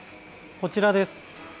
こちらです。